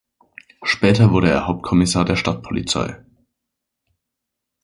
Später wurde er Hauptkommissar der Stadtpolizei.